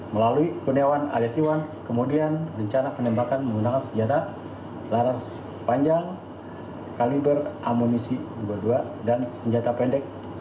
melalui kurniawan alias iwan kemudian rencana penembakan menggunakan senjata laras panjang kaliber amunisi dua puluh dua dan senjata pendek